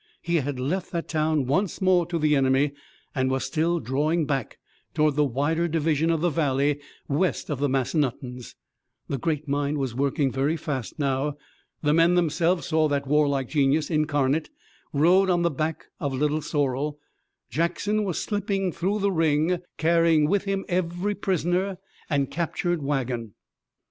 He had left that town once more to the enemy and was still drawing back toward the wider division of the valley west of the Massanuttons. The great mind was working very fast now. The men themselves saw that warlike genius incarnate rode on the back of Little Sorrel. Jackson was slipping through the ring, carrying with him every prisoner and captured wagon.